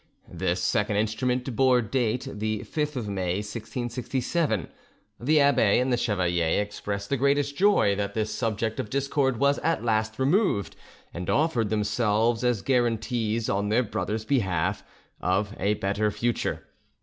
This second instrument bore date the 5th of May 1667. The abbe and the chevalier expressed the greatest joy that this subject of discord was at last removed, and offered themselves as guarantees, on their brother's behalf, of a better future.